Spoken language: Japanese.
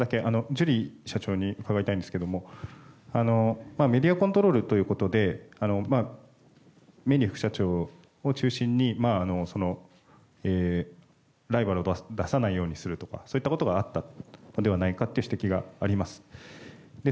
ジュリー社長に伺いたいんですがメディアコントロールということでメリー副社長を中心にライバルを出さないようにするとかそういったことがあったのではないかという指摘があります。